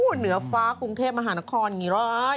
เหนือฟ้ากรุงเทพมหานครอย่างนี้เลย